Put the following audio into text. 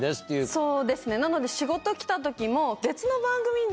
そうですねなので仕事来た時も。